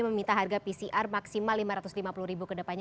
meminta harga pcr maksimal rp lima ratus lima puluh ke depannya